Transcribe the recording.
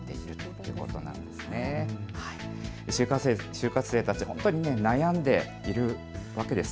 就活生たち、本当に悩んでいるわけです。